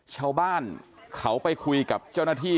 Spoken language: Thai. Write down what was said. ชาวบ้านเขาไปคุยกับเจ้าหน้าที่